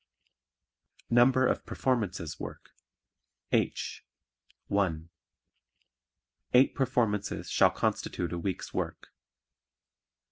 Number of Performances Work (H) (1) Eight performances shall constitute a week's work.